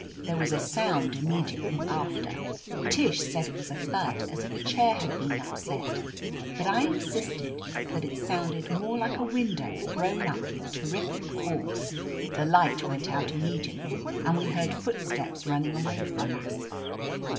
There was a sound immediately after. Tish said it was a thud, as if a chair had been upset, but I insisted that it sounded more like a win dow thrown up with terrific force. The light 67 THE AMAZING ADVENTURES went out immediately, and we heard footsteps running away from us.